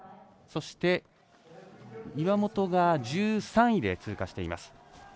そして、岩本が１３位で通過しています。